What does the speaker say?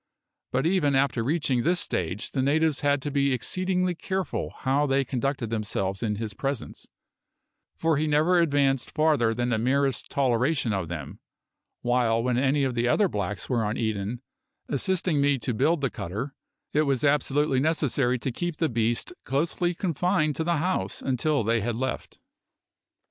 But even after reaching this stage the natives had to be exceedingly careful how they conducted themselves in his presence, for he never advanced farther than the merest toleration of them, while when any of the other blacks were on Eden, assisting me to build the cutter, it was absolutely necessary to keep the beast closely confined to the house until they had left.